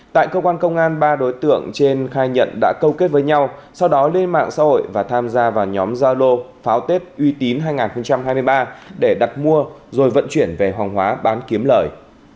tại cơ quan công an ba đối tượng trên khai nhận đã câu kết với nhau sau đó lên mạng xã hội và tham gia vào nhóm gia lô pháo tết uy tín hai nghìn hai mươi ba để đặt mua rồi vận chuyển về hoàng hóa bán kiếm lời